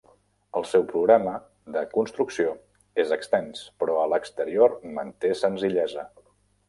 El seu programa de construcció és extens, però a l'exterior manté senzillesa.